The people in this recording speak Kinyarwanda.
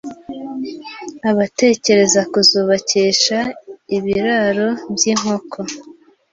abatekereza kuzubakisha ibiraro by’inkoko